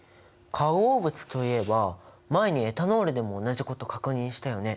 化合物といえば前にエタノールでも同じこと確認したよね。